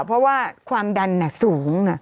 เพราะว่าความดันสูง